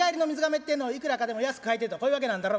ってえのをいくらかでも安く買いてえとこういう訳なんだろ？